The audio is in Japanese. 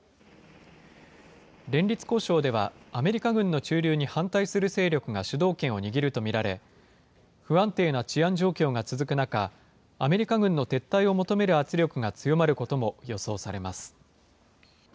連立交渉では、アメリカ軍の駐留に反対する勢力が主導権を握ると見られ、不安定な治安状況が続く中、アメリカ軍の撤退を求める圧力が強まることも予想されます。